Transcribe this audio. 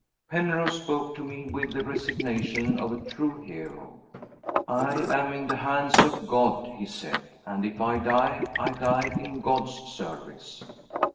Penrose spoke to me with the resignation of a true hero. 'I am in the hands of God,' he said; 'and if I die, I die in God's service.